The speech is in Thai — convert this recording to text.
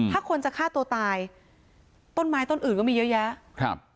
ถ้าคนจะฆ่าตัวตายต้นไม้ต้นอื่นก็มีเยอะแยะครับ